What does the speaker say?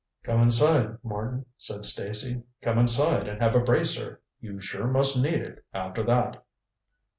"Come inside, Martin," said Stacy. "Come inside and have a bracer. You sure must need it, after that."